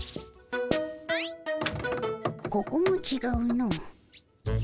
ここもちがうの。